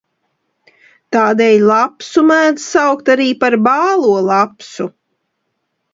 Tādēļ lapsu mēdz arī saukt par bālo lapsu.